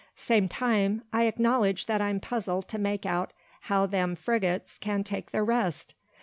Same time I acknowledge that I'm puzzled to make out how them thar frigates can take thar rest.